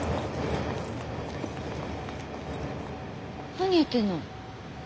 何やってんの。